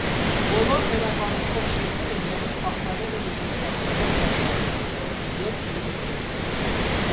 Բոլոր վերակառուցվող շենքերը լիովին պահպանել են իրենց պատմական ճարտարապետությունը և ինտերյերը։